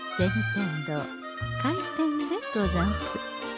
天堂開店でござんす。